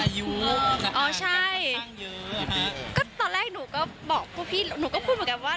อายุอ๋อใช่ก็ตอนแรกหนูก็บอกพวกพี่หนูก็พูดเหมือนกันว่า